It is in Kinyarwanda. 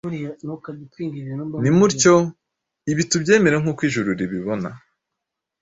Nimutyo ibi tubyemere nk’uko ijuru ribibona.